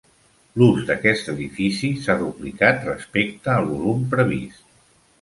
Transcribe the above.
L'ús d'aquest edifici s'ha duplicat respecte al volum previst.